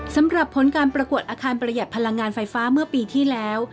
สำหรับผลการประกวดอาคารประหยัดพลังงานไฟฟ้าเมื่อปีที่แล้ว